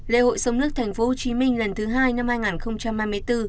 lễ hội sông nước thành phố hồ chí minh lần thứ hai năm hai nghìn hai mươi bốn